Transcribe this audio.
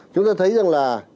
chúng ta thấy rằng là